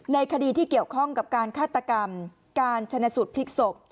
ในคดีที่เกี่ยวข้องกับการฆาตกรรมการชนะสูตรพลิกศพ